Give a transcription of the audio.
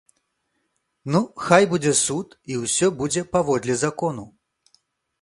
Ну, хай будзе суд і ўсё будзе паводле закону!